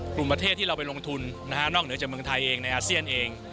กลุ่มประเทศที่เราไปลงทุนนอกเหนือจากเมืองไทยเองในอาเซียนเอง